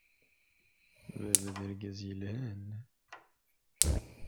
Baba d argaz yelhan.